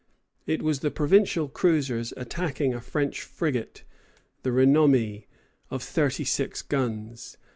It was the provincial cruisers attacking a French frigate, the "Renommée," of thirty six guns.